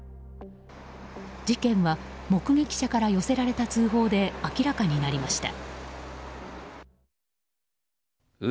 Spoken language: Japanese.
事件は目撃者から寄せられた通報で明らかになりました。